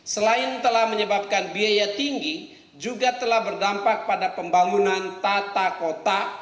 selain telah menyebabkan biaya tinggi juga telah berdampak pada pembangunan tata kota